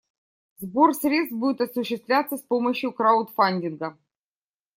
Сбор средств будет осуществляться с помощью краудфандинга.